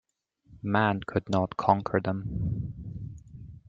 Man could not conquer them.